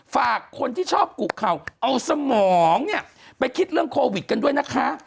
ฝากคนที่ชอบกุเข่าเอาสมองเนี่ยไปคิดเรื่องโควิดกันด้วยนะคะ